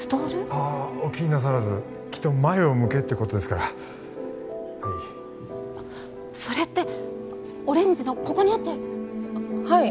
ああお気になさらずきっと前を向けってことですからはいそれってオレンジのここにあったやつはい